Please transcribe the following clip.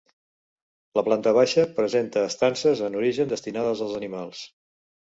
La planta baixa presenta estances en origen destinades als animals.